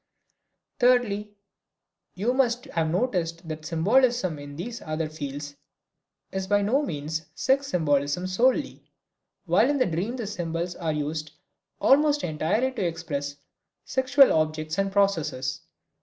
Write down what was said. Thirdly, you must have noticed that symbolism in these other fields is by no means sex symbolism solely, while in the dream the symbols are used almost entirely to express sexual objects and processes.